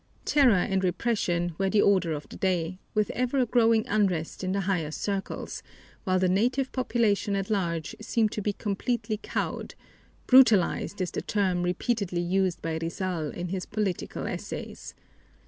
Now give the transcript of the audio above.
Terror and repression were the order of the day, with ever a growing unrest in the higher circles, while the native population at large seemed to be completely cowed "brutalized" is the term repeatedly used by Rizal in his political essays.